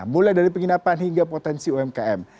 mulai dari penginapan hingga potensi umkm